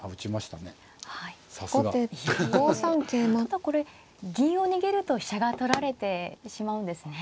ただこれ銀を逃げると飛車が取られてしまうんですね。